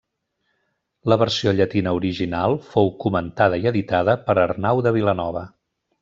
La versió llatina original fou comentada i editada per Arnau de Vilanova.